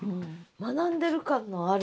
学んでる感のある。